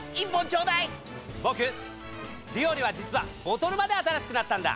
ボクビオレは実はボトルまで新しくなったんだ！